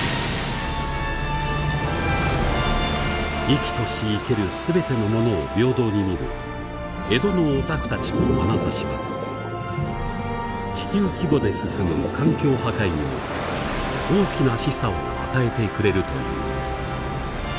生きとし生ける全てのものを平等に見る江戸のオタクたちのまなざしは地球規模で進む環境破壊にも大きな示唆を与えてくれるという。